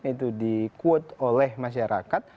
itu di quote oleh masyarakat